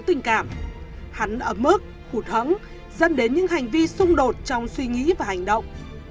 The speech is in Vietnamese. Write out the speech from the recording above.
chỉ vì lòng hận thù và một chút tình cảm hắn ấm ức hụt hẳn dẫn đến những hành vi xung đột trong suy nghĩ và hành động